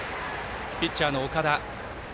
ピッチャーの岡田。